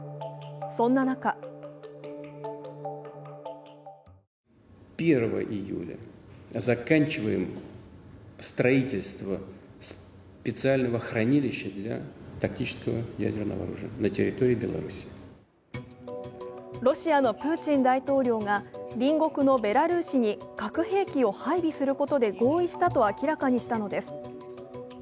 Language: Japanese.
そんな中ロシアのプーチン大統領が隣国のベラルーシに核兵器を配備することで合意したと明らかにしたのです。